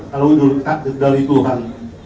kalau itu dari tuhan